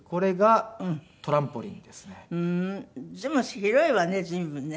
広いわね随分ね。